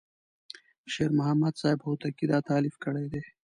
شیر محمد صاحب هوتکی دا تألیف کړی دی.